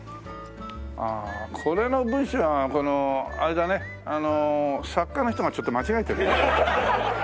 ああこれの文章はこのあれだね作家の人がちょっと間違えてる。